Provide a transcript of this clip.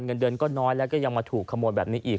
เงินเดือนก็น้อยแล้วก็ยังมาถูกขโมยแบบนี้อีก